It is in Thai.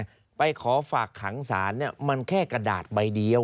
พี่สาวไปขอฝากขังสารมันแค่กระดาษใบเดียว